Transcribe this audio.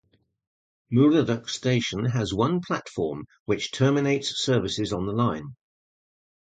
Moorooduc station has one platform, which terminates services on the line.